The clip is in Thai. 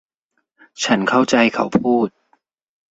ฉันเข้าใจเขาพูด